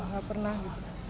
gak pernah gitu